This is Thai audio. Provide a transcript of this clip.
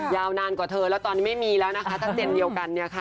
ยาวนานกว่าเธอแล้วตอนนี้ไม่มีแล้วนะคะชัดเจนเดียวกันเนี่ยค่ะ